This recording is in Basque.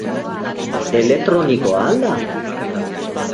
Eletronikoa al da?